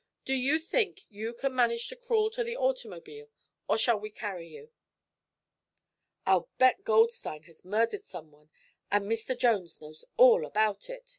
"Do you think you can manage to crawl to the automobile, or shall we carry you?" "I'll bet Goldstein has murdered someone, and Mr. Jones knows all about it!"